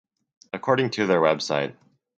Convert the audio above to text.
According to their website.